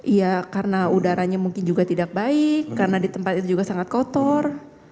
ya karena udaranya mungkin juga tidak baik karena di tempat itu juga sangat kotor